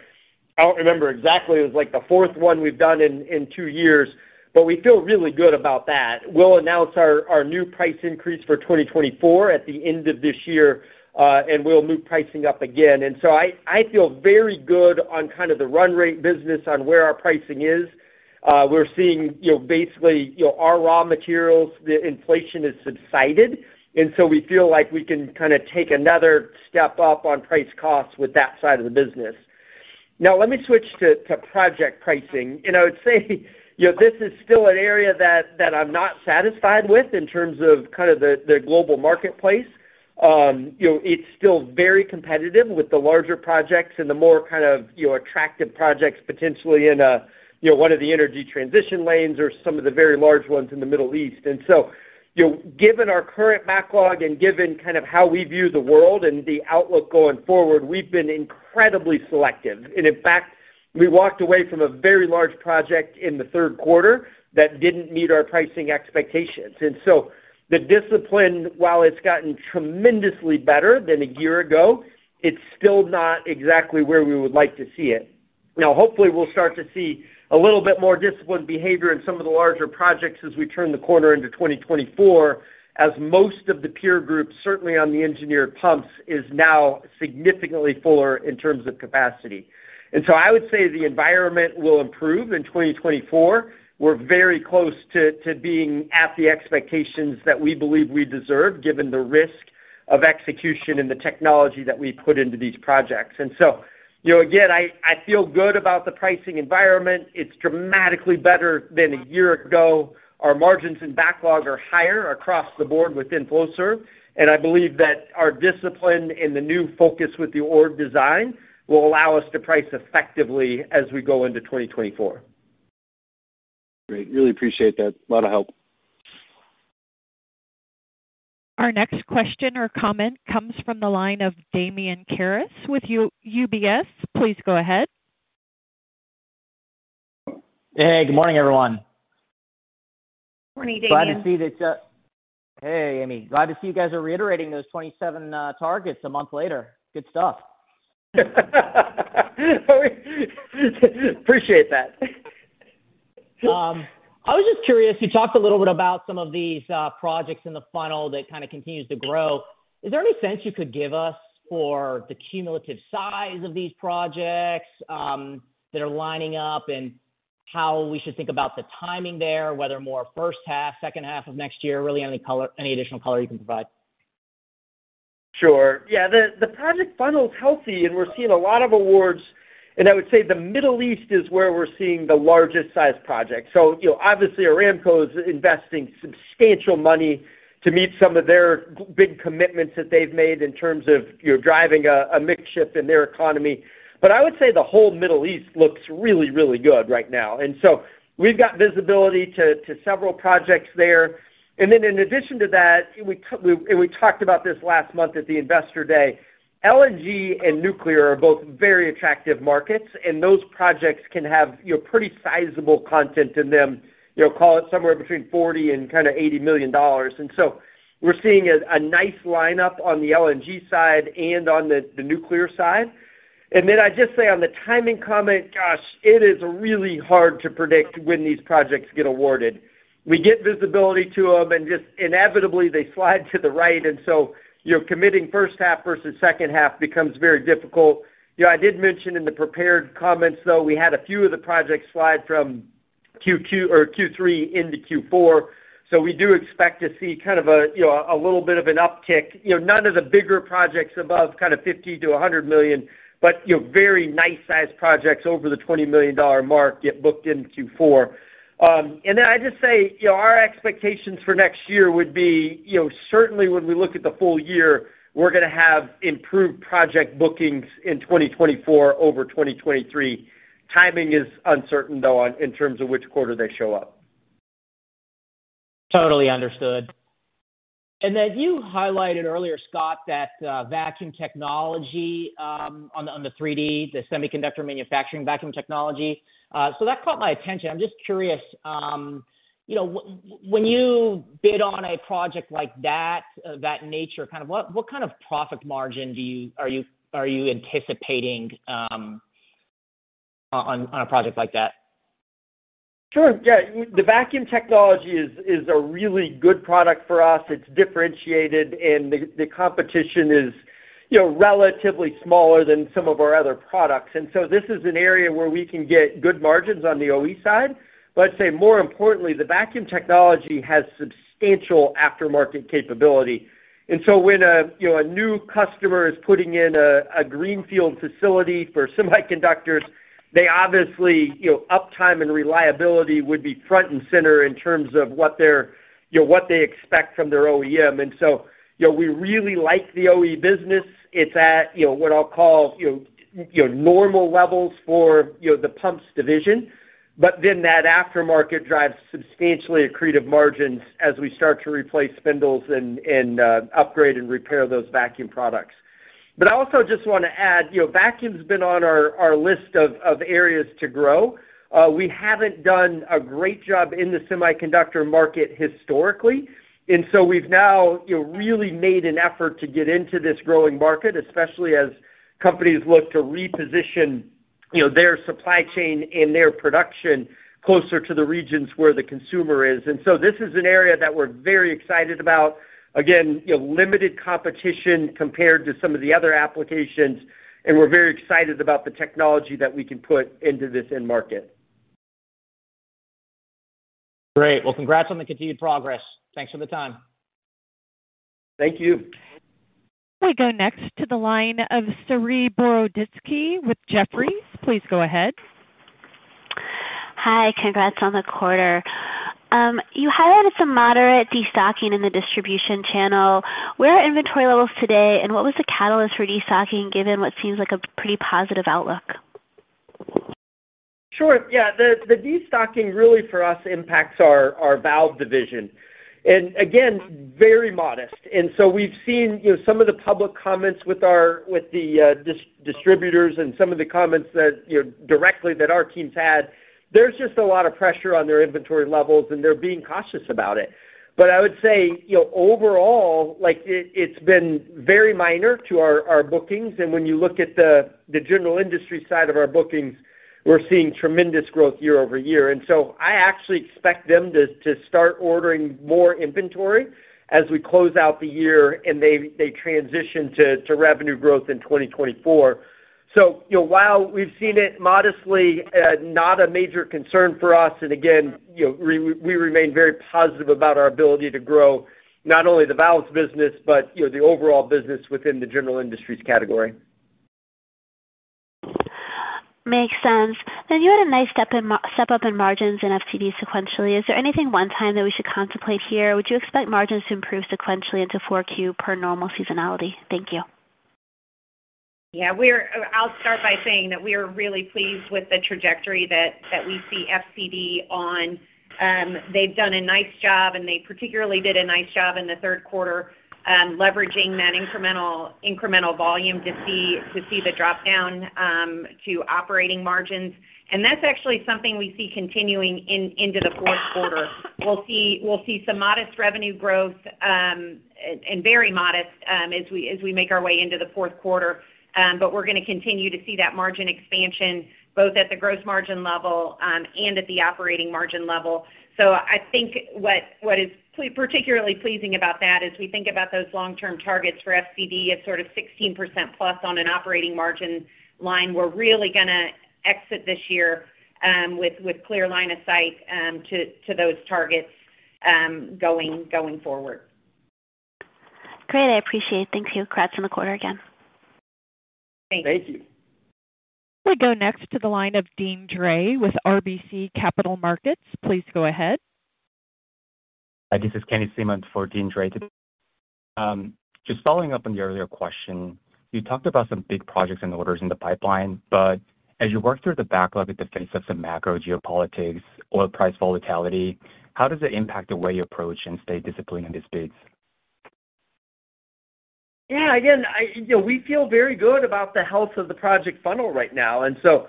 I don't remember exactly. It was, like, the fourth one we've done in two years, but we feel really good about that. We'll announce our new price increase for 2024 at the end of this year, and we'll move pricing up again. And so I, I feel very good on kind of the run rate business on where our pricing is. We're seeing, you know, basically, our raw materials, the inflation has subsided, and so we feel like we can kinda take another step up on price costs with that side of the business. Now, let me switch to, to project pricing. And I would say, you know, this is still an area that, that I'm not satisfied with in terms of kind of the, the global marketplace. You know, it's still very competitive with the larger projects and the more kind of, you know, attractive projects potentially in a, you know, one of the energy transition lanes or some of the very large ones in the Middle East. You know, given our current backlog and given kind of how we view the world and the outlook going forward, we've been incredibly selective. In fact, we walked away from a very large project in the third quarter that didn't meet our pricing expectations. The discipline, while it's gotten tremendously better than a year ago, it's still not exactly where we would like to see it. Now, hopefully, we'll start to see a little bit more disciplined behavior in some of the larger projects as we turn the corner into 2024, as most of the peer groups, certainly on the engineered pumps, is now significantly fuller in terms of capacity. I would say the environment will improve in 2024. We're very close to being at the expectations that we believe we deserve, given the risk of execution and the technology that we put into these projects. And so, you know, again, I feel good about the pricing environment. It's dramatically better than a year ago. Our margins and backlog are higher across the board within Flowserve, and I believe that our discipline and the new focus with the org design will allow us to price effectively as we go into 2024. Great. Really appreciate that. A lot of help. Our next question or comment comes from the line of Damian Karas with UBS. Please go ahead. Hey, good morning, everyone. Morning, Damian. Glad to see that. Hey, Amy. Glad to see you guys are reiterating those 27 targets a month later. Good stuff. Appreciate that. I was just curious, you talked a little bit about some of these projects in the funnel that kind of continues to grow. Is there any sense you could give us for the cumulative size of these projects that are lining up and how we should think about the timing there, whether more first half, second half of next year, really, any additional color you can provide? Sure. Yeah, the project funnel is healthy, and we're seeing a lot of awards. And I would say the Middle East is where we're seeing the largest size project. So, you know, obviously, Aramco is investing substantial money to meet some of their big commitments that they've made in terms of, you know, driving a mix shift in their economy. But I would say the whole Middle East looks really, really good right now. And so we've got visibility to several projects there. And then in addition to that, and we talked about this last month at the Investor Day, LNG and nuclear are both very attractive markets, and those projects can have, you know, pretty sizable content in them. You know, call it somewhere between $40 million and kind of $80 million. So we're seeing a nice lineup on the LNG side and on the nuclear side. Then I'd just say on the timing comment, gosh, it is really hard to predict when these projects get awarded. We get visibility to them, and just inevitably, they slide to the right, and so, you know, committing first half versus second half becomes very difficult. You know, I did mention in the prepared comments, though, we had a few of the projects slide from Q2 or Q3 into Q4, so we do expect to see kind of, you know, a little bit of an uptick. You know, none of the bigger projects above kind of $50 million-$100 million, but, you know, very nice-sized projects over the $20 million mark get booked in Q4. And then I'd just say, you know, our expectations for next year would be, you know, certainly when we look at the full year, we're gonna have improved project bookings in 2024 over 2023. Timing is uncertain, though, in terms of which quarter they show up. Totally understood. And then you highlighted earlier, Scott, that vacuum technology on the 3D, the semiconductor manufacturing vacuum technology. So that caught my attention. I'm just curious, you know, when you bid on a project like that, of that nature, kind of, what kind of profit margin are you anticipating on a project like that? Sure. Yeah, the vacuum technology is a really good product for us. It's differentiated, and the competition is, you know, relatively smaller than some of our other products. And so this is an area where we can get good margins on the OE side. But I'd say more importantly, the vacuum technology has substantial aftermarket capability. And so when a, you know, a new customer is putting in a greenfield facility for semiconductors, they obviously, you know, uptime and reliability would be front and center in terms of what they're, you know, what they expect from their OEM. And so, you know, we really like the OE business. It's at, you know, what I'll call, you know, you know, normal levels for, you know, the pumps division. But then that aftermarket drives substantially accretive margins as we start to replace spindles and upgrade and repair those vacuum products. But I also just want to add, you know, vacuum's been on our list of areas to grow. We haven't done a great job in the semiconductor market historically, and so we've now, you know, really made an effort to get into this growing market, especially as companies look to reposition, you know, their supply chain and their production closer to the regions where the consumer is. And so this is an area that we're very excited about. Again, you know, limited competition compared to some of the other applications, and we're very excited about the technology that we can put into this end market. Great. Well, congrats on the continued progress. Thanks for the time. Thank you. We go next to the line of Saree Boroditsky with Jefferies. Please go ahead. Hi, congrats on the quarter. You highlighted some moderate destocking in the distribution channel. Where are inventory levels today, and what was the catalyst for destocking, given what seems like a pretty positive outlook? Sure. Yeah, the destocking really, for us, impacts our valve division, and again, very modest. And so we've seen, you know, some of the public comments with our distributors and some of the comments that, you know, directly that our teams had. There's just a lot of pressure on their inventory levels, and they're being cautious about it. But I would say, you know, overall, like, it's been very minor to our bookings, and when you look at the general industry side of our bookings, we're seeing tremendous growth year-over-year. And so I actually expect them to start ordering more inventory as we close out the year and they transition to revenue growth in 2024. So, you know, while we've seen it modestly, not a major concern for us, and again, you know, we remain very positive about our ability to grow not only the valves business, but, you know, the overall business within the general industries category. Makes sense. Then you had a nice step-up in margins in FCD sequentially. Is there anything one-time that we should contemplate here? Would you expect margins to improve sequentially into Q4 per normal seasonality? Thank you. Yeah, we're. I'll start by saying that we are really pleased with the trajectory that we see FCD on. They've done a nice job, and they particularly did a nice job in the third quarter, leveraging that incremental volume to see the dropdown to operating margins. And that's actually something we see continuing into the fourth quarter. We'll see some modest revenue growth, and very modest, as we make our way into the fourth quarter. But we're going to continue to see that margin expansion, both at the gross margin level, and at the operating margin level. So I think what is particularly pleasing about that is we think about those long-term targets for FCD at sort of 16%+ on an operating margin line. We're really gonna exit this year with clear line of sight to those targets going forward. Great. I appreciate it. Thank you. Congrats on the quarter again. Thank you. Thank you. We go next to the line of Deane Dray with RBC Capital Markets. Please go ahead. Hi, this is Kenny Sim on for Deane Dray. Just following up on the earlier question, you talked about some big projects and orders in the pipeline, but as you work through the backlog in the face of some macro geopolitics, oil price volatility, how does it impact the way you approach and stay disciplined in these bids? Yeah, again, I—you know, we feel very good about the health of the project funnel right now, and so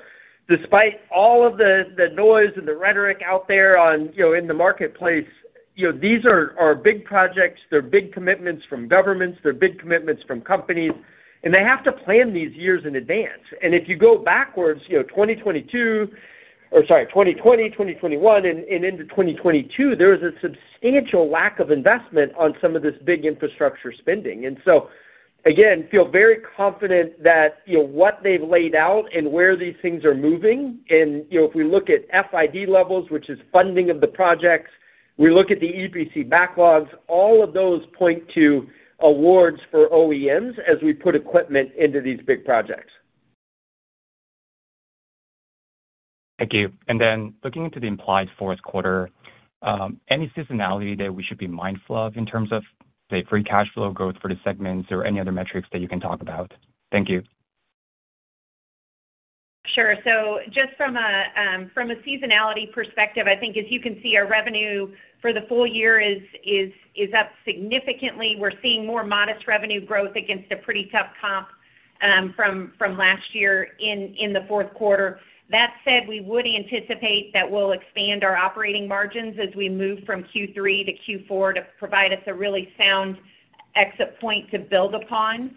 despite all of the, the noise and the rhetoric out there on, you know, in the marketplace, you know, these are big projects. They're big commitments from governments, they're big commitments from companies, and they have to plan these years in advance. And if you go backwards, you know, 2022—or sorry, 2020, 2021 and into 2022, there was a substantial lack of investment on some of this big infrastructure spending. And so again, feel very confident that, you know, what they've laid out and where these things are moving. You know, if we look at FID levels, which is funding of the projects, we look at the EPC backlogs, all of those point to awards for OEMs as we put equipment into these big projects. Thank you. And then looking into the implied fourth quarter, any seasonality that we should be mindful of in terms of, say, free cash flow growth for the segments or any other metrics that you can talk about? Thank you. Sure. So just from a, from a seasonality perspective, I think as you can see, our revenue for the full year is up significantly. We're seeing more modest revenue growth against a pretty tough comp, from last year in the fourth quarter. That said, we would anticipate that we'll expand our operating margins as we move from Q3 to Q4 to provide us a really sound exit point to build upon,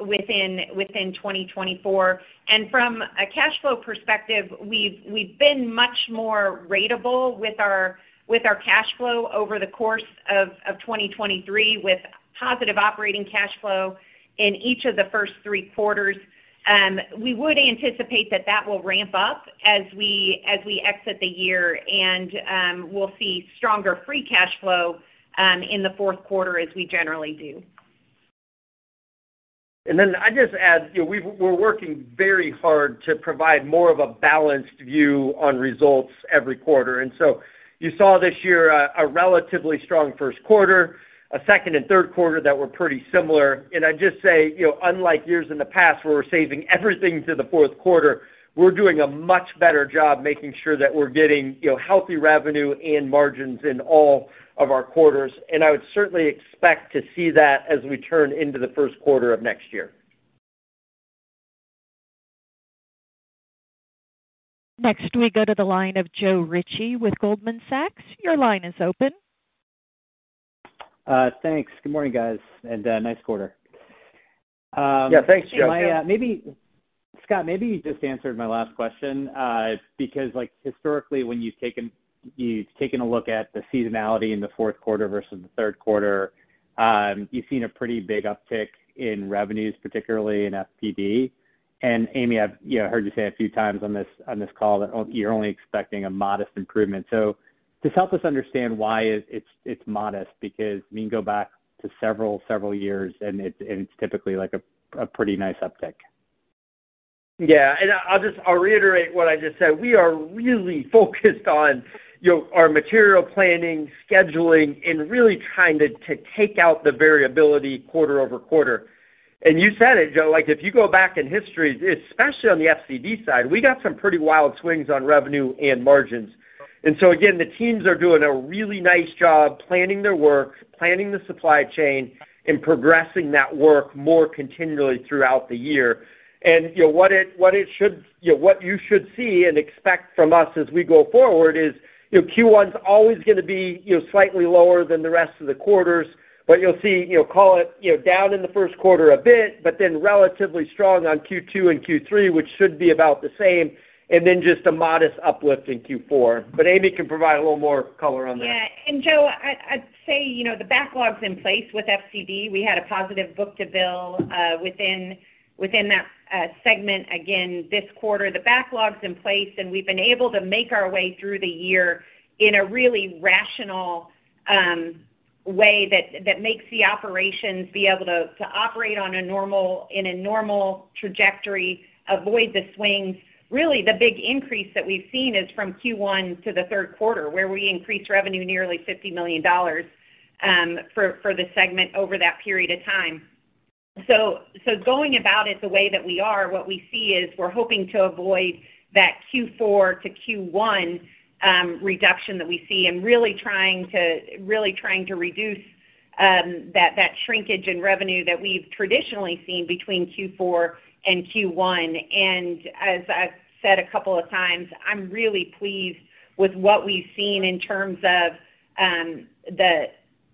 within 2024. And from a cash flow perspective, we've been much more ratable with our cash flow over the course of 2023, with positive operating cash flow in each of the first three quarters. We would anticipate that that will ramp up as we, as we exit the year, and we'll see stronger free cash flow in the fourth quarter, as we generally do. And then I'd just add, you know, we're working very hard to provide more of a balanced view on results every quarter. And so you saw this year a relatively strong first quarter, a second and third quarter that were pretty similar. And I'd just say, you know, unlike years in the past, where we're saving everything to the fourth quarter, we're doing a much better job making sure that we're getting, you know, healthy revenue and margins in all of our quarters. And I would certainly expect to see that as we turn into the first quarter of next year. Next, we go to the line of Joe Ritchie with Goldman Sachs. Your line is open. Thanks. Good morning, guys, and nice quarter. Yeah, thanks, Joe. Scott, maybe you just answered my last question, because, like, historically, when you've taken a look at the seasonality in the fourth quarter versus the third quarter, you've seen a pretty big uptick in revenues, particularly in FPD. And Amy, I've, you know, heard you say a few times on this call that you're only expecting a modest improvement. So just help us understand why it's modest, because we can go back to several years, and it's typically like a pretty nice uptick. Yeah, I'll just reiterate what I just said. We are really focused on, you know, our material planning, scheduling, and really trying to take out the variability quarter-over-quarter. You said it, Joe, like, if you go back in history, especially on the FCD side, we got some pretty wild swings on revenue and margins. Again, the teams are doing a really nice job planning their work, planning the supply chain, and progressing that work more continually throughout the year. You know, what it should, you know, what you should see and expect from us as we go forward is, you know, Q1 is always going to be, you know, slightly lower than the rest of the quarters. But you'll see, you know, call it, you know, down in the first quarter a bit, but then relatively strong on Q2 and Q3, which should be about the same, and then just a modest uplift in Q4. But Amy can provide a little more color on that. Yeah, and Joe, I'd say, you know, the backlog's in place with FCD. We had a positive book-to-bill within that segment again, this quarter. The backlog's in place, and we've been able to make our way through the year in a really rational way that makes the operations be able to operate on a normal trajectory, avoid the swings. Really, the big increase that we've seen is from Q1 to the third quarter, where we increased revenue nearly $50 million for the segment over that period of time. So going about it the way that we are, what we see is we're hoping to avoid that Q4 to Q1 reduction that we see, and really trying to reduce that shrinkage in revenue that we've traditionally seen between Q4 and Q1. And as I've said a couple of times, I'm really pleased with what we've seen in terms of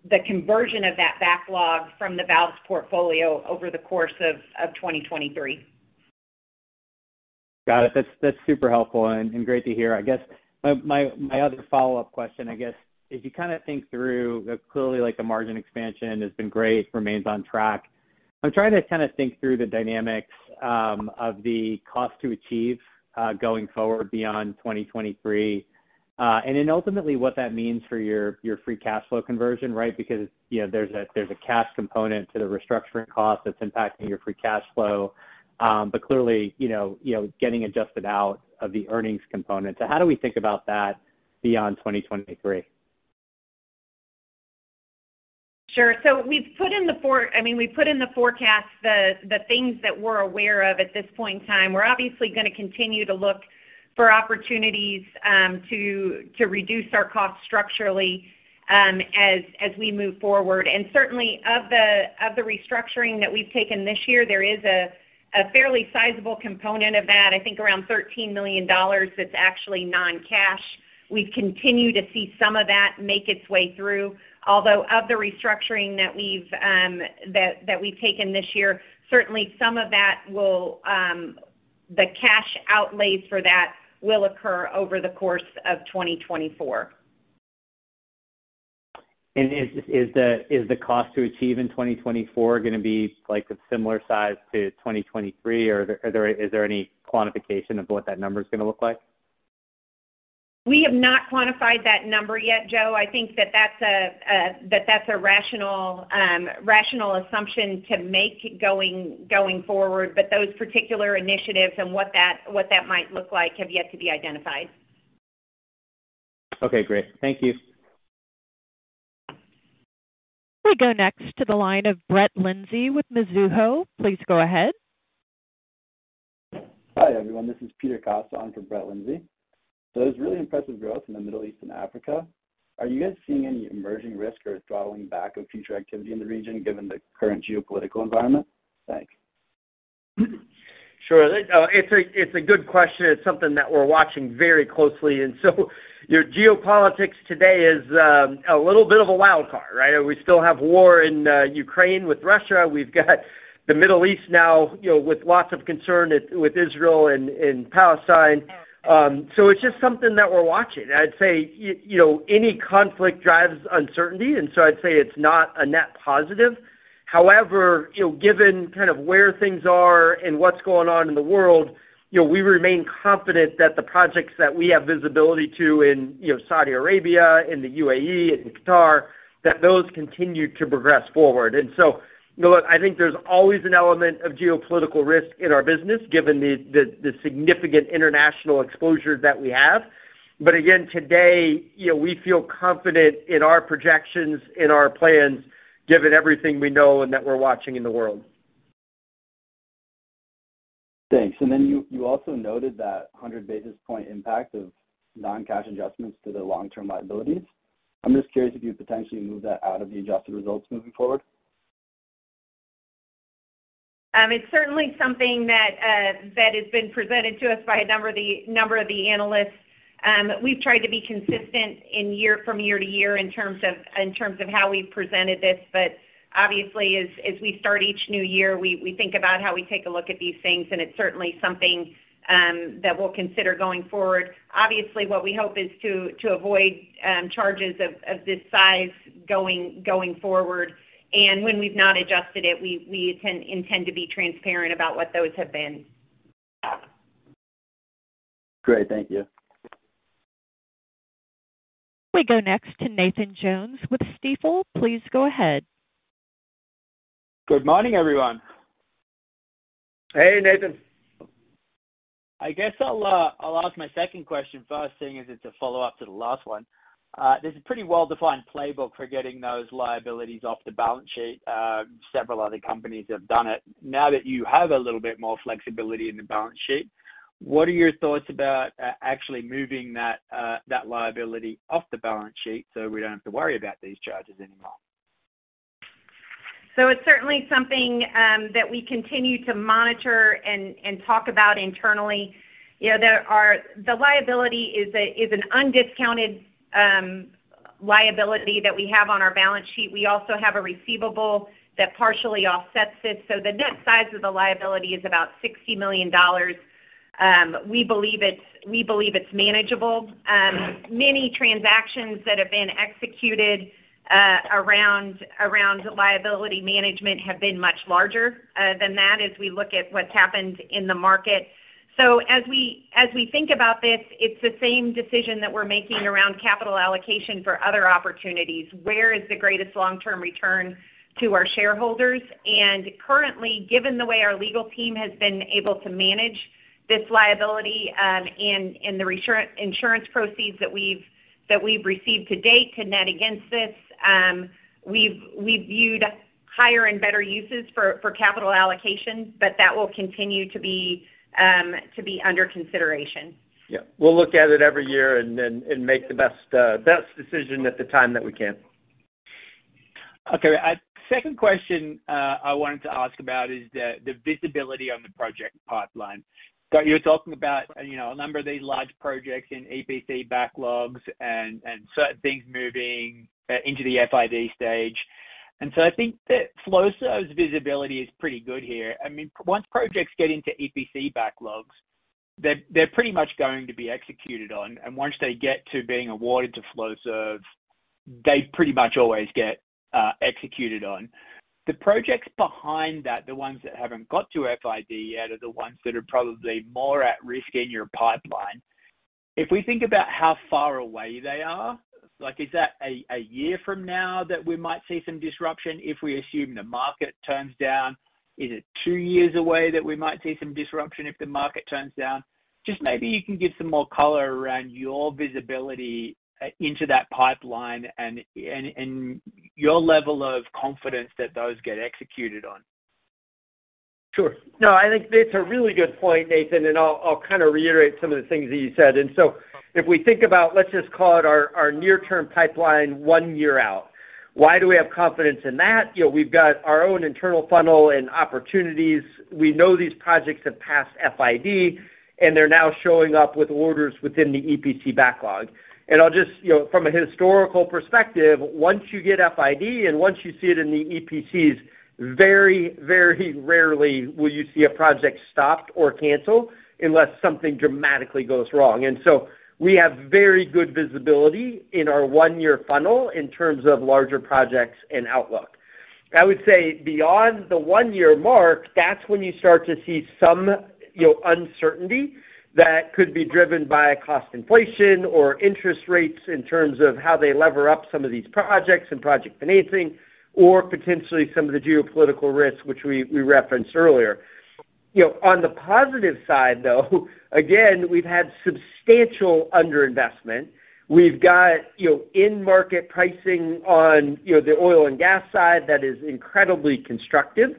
the conversion of that backlog from the valves portfolio over the course of 2023. Got it. That's, that's super helpful and, and great to hear. I guess my, my, my other follow-up question, I guess, as you kind of think through, clearly, like, the margin expansion has been great, remains on track. I'm trying to kind of think through the dynamics of the cost to achieve going forward beyond 2023, and then ultimately what that means for your, your free cash flow conversion, right? Because, you know, there's a, there's a cash component to the restructuring cost that's impacting your free cash flow. But clearly, you know, you know, getting adjusted out of the earnings component. So how do we think about that beyond 2023? Sure. So we've put in the forecast, I mean, the things that we're aware of at this point in time. We're obviously going to continue to look for opportunities to reduce our costs structurally as we move forward. And certainly, of the restructuring that we've taken this year, there is a fairly sizable component of that, I think around $13 million, that's actually non-cash. We've continued to see some of that make its way through, although of the restructuring that we've taken this year, certainly some of that will, the cash outlays for that will occur over the course of 2024. Is the cost to achieve in 2024 going to be, like, a similar size to 2023, or is there any quantification of what that number is going to look like? We have not quantified that number yet, Joe. I think that that's a rational assumption to make going forward, but those particular initiatives and what that might look like have yet to be identified. Okay, great. Thank you. We go next to the line of Brett Linzey with Mizuho. Please go ahead. Hi, everyone. This is Peter Costa on for Brett Linzey. So it's really impressive growth in the Middle East and Africa. Are you guys seeing any emerging risk or throttling back of future activity in the region, given the current geopolitical environment? Thanks. Sure. It's a good question. It's something that we're watching very closely, and so your geopolitics today is a little bit of a wild card, right? We still have war in Ukraine with Russia. We've got the Middle East now, you know, with lots of concern with Israel and Palestine. So it's just something that we're watching. I'd say you know, any conflict drives uncertainty, and so I'd say it's not a net positive. However, you know, given kind of where things are and what's going on in the world, you know, we remain confident that the projects that we have visibility to in, you know, Saudi Arabia, in the UAE, and Qatar, that those continue to progress forward. You know, look, I think there's always an element of geopolitical risk in our business, given the significant international exposure that we have. Again, today, you know, we feel confident in our projections, in our plans, given everything we know and that we're watching in the world. Thanks. And then you also noted that 100 basis points impact of non-cash adjustments to the long-term liabilities. I'm just curious if you potentially move that out of the adjusted results moving forward? It's certainly something that has been presented to us by a number of the analysts. We've tried to be consistent from year to year in terms of how we've presented this. But obviously, as we start each new year, we think about how we take a look at these things, and it's certainly something that we'll consider going forward. Obviously, what we hope is to avoid charges of this size going forward. And when we've not adjusted it, we intend to be transparent about what those have been. Great. Thank you. We go next to Nathan Jones with Stifel. Please go ahead. Good morning, everyone. Hey, Nathan. I guess I'll, I'll ask my second question first, seeing as it's a follow-up to the last one. There's a pretty well-defined playbook for getting those liabilities off the balance sheet. Several other companies have done it. Now that you have a little bit more flexibility in the balance sheet, what are your thoughts about actually moving that, that liability off the balance sheet, so we don't have to worry about these charges anymore? So it's certainly something that we continue to monitor and talk about internally. You know, there are the liability is an undiscounted liability that we have on our balance sheet. We also have a receivable that partially offsets this, so the net size of the liability is about $60 million. We believe it's manageable. Many transactions that have been executed around liability management have been much larger than that as we look at what's happened in the market. So as we think about this, it's the same decision that we're making around capital allocation for other opportunities. Where is the greatest long-term return to our shareholders? Currently, given the way our legal team has been able to manage this liability, and the insurance proceeds that we've received to date to net against this, we've viewed higher and better uses for capital allocation, but that will continue to be under consideration. Yeah. We'll look at it every year and then make the best decision at the time that we can. Okay. Second question I wanted to ask about is the visibility on the project pipeline. So you're talking about, you know, a number of these large projects in EPC backlogs and certain things moving into the FID stage. And so I think that Flowserve's visibility is pretty good here. I mean, once projects get into EPC backlogs, they're pretty much going to be executed on, and once they get to being awarded to Flowserve, they pretty much always get executed on. The projects behind that, the ones that haven't got to FID yet, are the ones that are probably more at risk in your pipeline. If we think about how far away they are, like, is that a year from now that we might see some disruption if we assume the market turns down? Is it two years away that we might see some disruption if the market turns down? Just maybe you can give some more color around your visibility into that pipeline and your level of confidence that those get executed on. Sure. No, I think that's a really good point, Nathan, and I'll, I'll kind of reiterate some of the things that you said. So if we think about, let's just call it our, our near-term pipeline, one year out, why do we have confidence in that? You know, we've got our own internal funnel and opportunities. We know these projects have passed FID, and they're now showing up with orders within the EPC backlog. And I'll just, you know, from a historical perspective, once you get FID and once you see it in the EPCs, very, very rarely will you see a project stopped or canceled unless something dramatically goes wrong. So we have very good visibility in our one-year funnel in terms of larger projects and outlook. I would say beyond the one-year mark, that's when you start to see some, you know, uncertainty that could be driven by cost inflation or interest rates in terms of how they lever up some of these projects and project financing, or potentially some of the geopolitical risks, which we, we referenced earlier. You know, on the positive side, though, again, we've had substantial underinvestment. We've got, you know, in-market pricing on, you know, the oil and gas side that is incredibly constructive,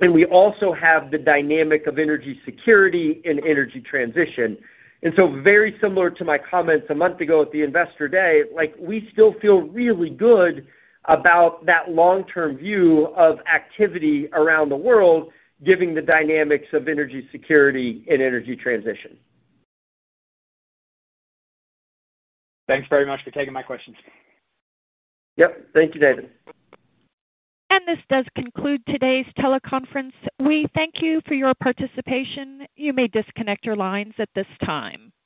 and we also have the dynamic of energy security and energy transition. And so very similar to my comments a month ago at the Investor Day, like, we still feel really good about that long-term view of activity around the world, giving the dynamics of energy security and energy transition. Thanks very much for taking my questions. Yep. Thank you, Nathan. This does conclude today's teleconference. We thank you for your participation. You may disconnect your lines at this time.